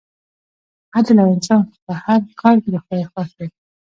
عدل او انصاف په هر کار کې د خدای خوښ دی.